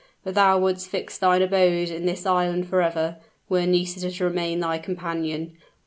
But thou would'st fix thine abode in this island forever, were Nisida to remain thy companion!